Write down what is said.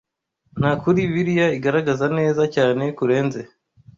Nta kuri Bibiliya igaragaza neza cyane kurenze